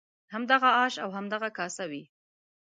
همدغه آش او همدغه کاسه وي.